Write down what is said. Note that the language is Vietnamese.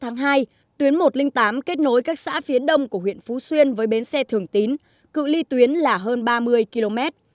trong năm hai nghìn một mươi tám tuyến một trăm linh tám kết nối các xã phía đông của huyện phú xuyên với bến xe thường tín cự ly tuyến là hơn ba mươi km